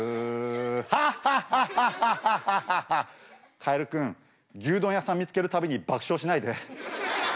カエルくん牛丼屋さん見つける度に爆笑しないで。